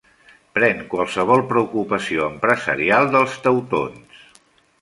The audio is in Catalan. Pren qualsevol preocupació empresarial dels teutons.